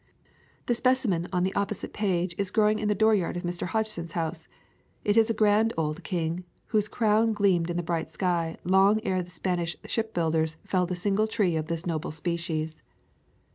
The specimen on the op posite page! is growing in the dooryard of Mr. Hodgson's house. It is a grand old king, whose crown gleamed in the bright sky long ere the Spanish shipbuilders felled a single tree of this noble species.